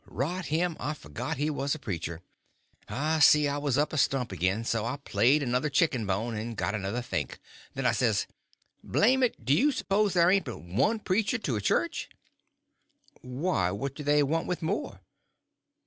Rot him, I forgot he was a preacher. I see I was up a stump again, so I played another chicken bone and got another think. Then I says: "Blame it, do you suppose there ain't but one preacher to a church?" "Why, what do they want with more?"